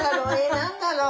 何だろう？